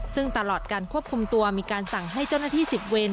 ซึ่งตลอดการควบคุมตัวมีการสั่งให้เจ้าหน้าที่๑๐เวร